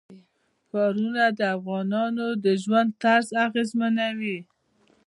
ښارونه د افغانانو د ژوند طرز اغېزمنوي.